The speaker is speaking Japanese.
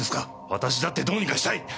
私だってどうにかしたい！